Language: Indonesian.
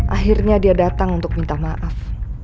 akhirnya dia datang untuk minta maaf